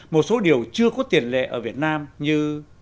một số điều chưa có tiền lệ ở việt nam như